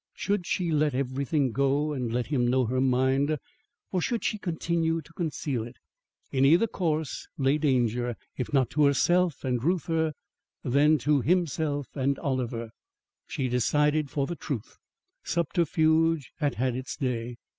Should she let everything go and let him know her mind, or should she continue to conceal it? In either course lay danger, if not to herself and Reuther, then to himself and Oliver. She decided for the truth. Subterfuge had had its day.